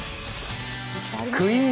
クイーン